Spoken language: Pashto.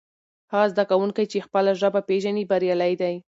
هغه زده کوونکی چې خپله ژبه پېژني بریالی دی.